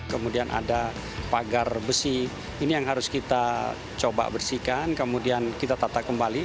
kemudian ada pagar besi ini yang harus kita coba bersihkan kemudian kita tata kembali